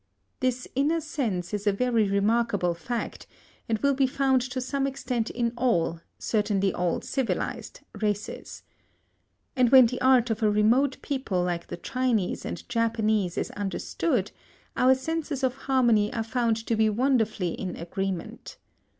This inner sense is a very remarkable fact, and will be found to some extent in all, certainly all civilised, races. And when the art of a remote people like the Chinese and Japanese is understood, our senses of harmony are found to be wonderfully in agreement.